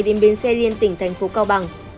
đến bên xe liên tỉnh tp cao bằng